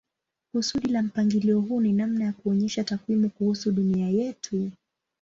Kusudi la mpangilio huu ni namna ya kuonyesha takwimu kuhusu dunia yetu.